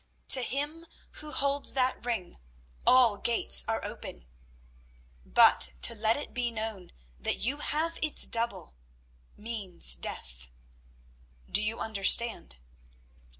To him who holds that ring all gates are open; but to let it be known that you have its double means death. Do you understand?"